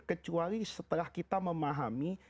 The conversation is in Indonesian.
kecuali setelah kita memahami